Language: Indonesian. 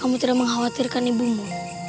kamu tidak mengkhawatirkan ibumu